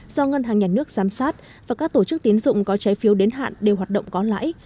do ngân hàng nhà nước giám sát và các tổ chức tiến dụng có trái phiếu đến hạn đều hoạt động có lãi